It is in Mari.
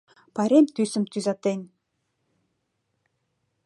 Пайрем тӱсым тӱзатен.